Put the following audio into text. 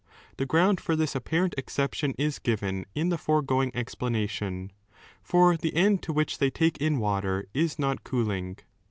The ground for this apparent exception is given in the foregoing explanation ; for the end to which they take in water is not cooling.